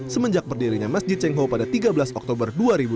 semenjak berdirinya masjid cengho pada tiga belas oktober dua ribu dua puluh